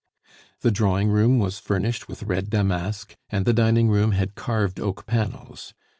The drawing room was furnished with red damask, and the dining room had carved oak panels.